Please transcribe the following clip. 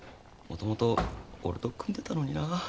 もともと俺と組んでたのになぁ。